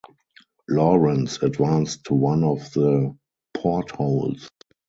Lawrence advanced to one of the portholes.